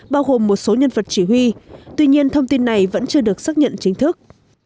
bao gồm một số nhân vật chỉ huy tuy nhiên thông tin này vẫn chưa được xác nhận chính thức